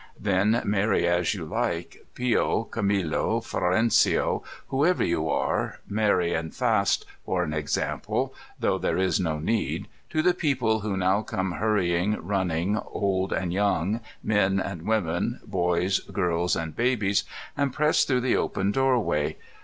Then, merry as you like, Pio, Camilo, Florendo, whoever you are, merry and fast, for an example — though there is no need — to the people, who now come hunying, running, old and young, men and women, bo}rs, girls, and babies, and press through the open doorway.